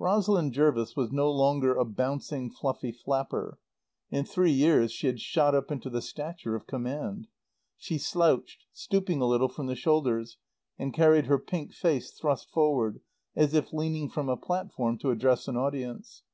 Rosalind Jervis was no longer a bouncing, fluffy flapper. In three years she had shot up into the stature of command. She slouched, stooping a little from the shoulders, and carried her pink face thrust forward, as if leaning from a platform to address an audience.